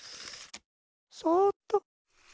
そっと。